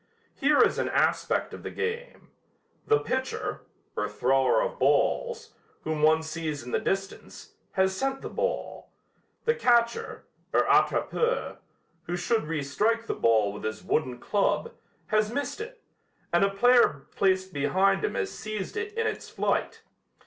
Here is an aspect of the game. The pitcher, or thrower of balls, whom one sees in the distance, has sent the ball. The catcher, or 'attrapeur,' who should restrike the ball with his wooden club, has missed it, and a player placed behind him has seized it in its flight."